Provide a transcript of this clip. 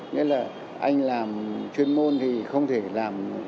nên là anh làm chuyên môn thì không thể làm